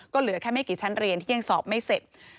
ก็เหลือแค่ไม่กี่ชั้นเรียนที่ยังสอบไม่เสร็จ